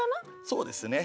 そうですね。